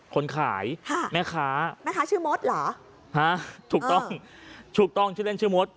คนขายค่ะแม่ค้าแม่ค้าชื่อมดเหรอฮะถูกต้องถูกต้องชื่อเล่นชื่อมด